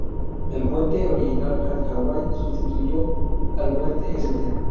El puente original Hathaway sustituyó al puente St.